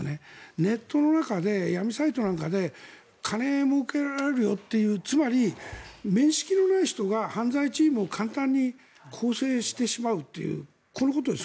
ネットの中で闇サイトなんかで金をもうけられるよっていうつまり、面識のない人が犯罪チームを簡単に構成してしまうというこのことです。